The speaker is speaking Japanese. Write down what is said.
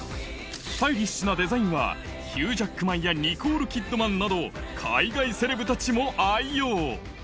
スタイリッシュなデザインは、ヒュー・ジャックマンやニコール・キッドマンなど、海外セレブたちも愛用。